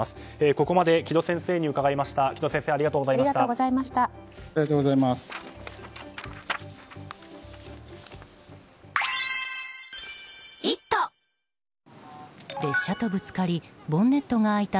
ここまで城戸先生に伺いました。